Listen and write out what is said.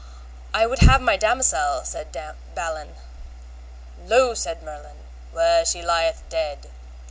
I would have my damosel, said Balin. Lo, said Merlin, where she lieth dead.